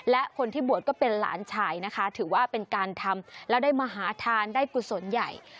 และคนที่บวชก็เป็นหลานชายนะคะถือว่าเป็นการทำแล้วได้มหาทานได้กุศลใหญ่